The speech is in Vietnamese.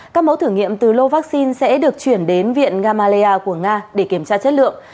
các mẫu thử nghiệm từ lô vaccine sẽ được chuyển đến viện gamaleya của nga để kiểm tra chất lượng